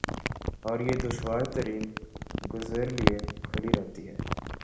اور یہ دشوار ترین گزر لئے کھلی رہتی ہے ۔